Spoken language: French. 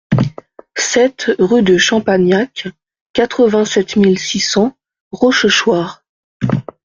sept rue de Champagnac, quatre-vingt-sept mille six cents Rochechouart